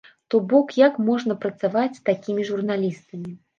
То бок, як можна працаваць з такімі журналістамі?